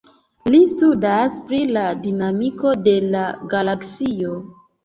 Li studas pri la dinamiko de la galaksioj.